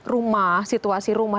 rumah situasi rumah